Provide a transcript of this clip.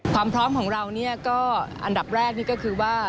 ความพร้อมของเราก็อันดับแรกนี่ก็คือว่า